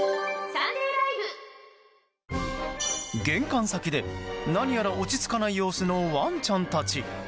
玄関先で何やら落ち着かない様子のワンちゃんたち。